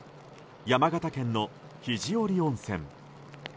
山形県の肘折温泉。